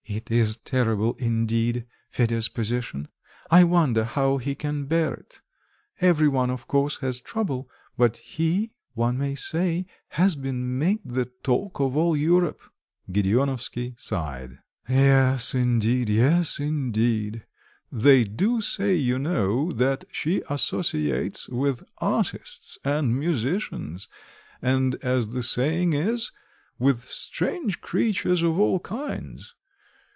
"It is terrible, indeed Fedya's position; I wonder how he can bear it. Every one, of course, has trouble; but he, one may say, has been made the talk of all Europe." Gedeonovsky sighed. "Yes, indeed, yes, indeed. They do say, you know that she associates with artists and musicians, and as the saying is, with strange creatures of all kinds.